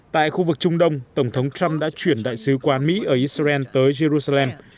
tại khu vực trung đông tổng thống trump đã chuyển đại sứ quán mỹ ở israel tới jerusalem